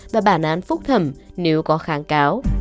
và bản án phúc thẩm nếu có kháng cáo